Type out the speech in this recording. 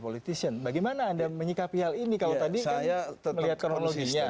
kita berbicara tentang dampak dari